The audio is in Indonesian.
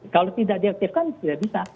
kalau tidak diaktifkan tidak bisa